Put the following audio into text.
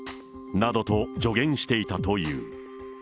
などと助言していたという。